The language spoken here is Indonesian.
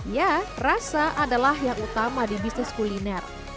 ya rasa adalah yang utama di bisnis kuliner